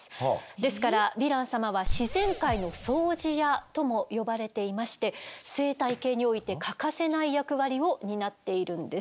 ですからヴィラン様は「自然界の掃除屋」とも呼ばれていまして生態系において欠かせない役割を担っているんです。